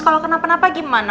kalau kenapa napa gimana